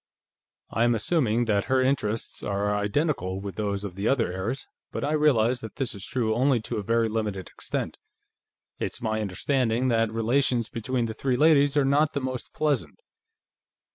"I am assuming that her interests are identical with those of the other heirs, but I realize that this is true only to a very limited extent. It's my understanding that relations between the three ladies are not the most pleasant."